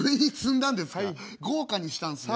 豪華にしたんですね。